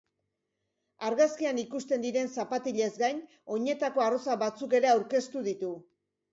Argazkian ikusten diren zapatilez gain, oinetako arrosa batzuk ere aurkeztu ditu.